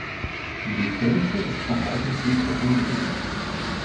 Die Kirche ist vom alten Friedhof umgeben.